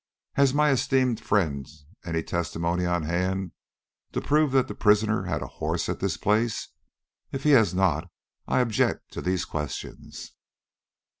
"Has my esteemed friend any testimony on hand to prove that the prisoner had a horse at this place? if he has not, I object to these questions."